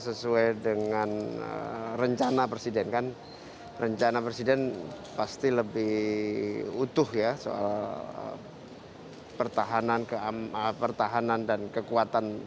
sesuai dengan rencana presiden kan rencana presiden pasti lebih utuh ya soal pertahanan dan kekuatan